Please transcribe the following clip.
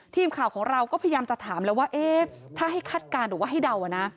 ทีมข่าวของเราก็พยายามจะถามแล้วว่าเอ๊ะถ้าให้คาดการณ์หรือว่าให้เดานะ